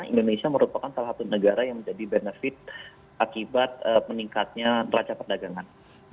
indonesia merupakan salah satu negara yang menjadi benefit akibat meningkatnya neraca perdagangan